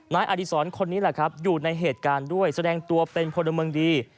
นายอาริสรคนนี้อยู่ในเหตุการณ์ด้วยแสดงตัวเป็นพลเมืองดี